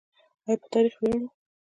آیا په تاریخ ویاړو؟